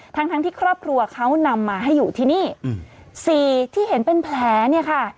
ทั้งทั้งที่ครอบครัวเขานำมาให้อยู่ที่นี่อืมสี่ที่เห็นเป็นแผลเนี่ยค่ะ